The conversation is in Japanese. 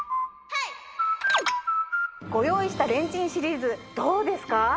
ご用意したレンチンシリーズどうですか？